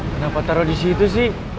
kenapa taruh di situ sih